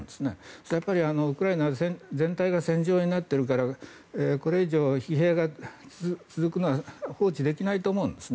それはウクライナ全体が戦場になっているからこれ以上疲弊が続くのは放置できないと思うんですね。